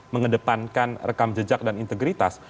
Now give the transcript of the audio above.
mengedepankan rekam jejak dan integritas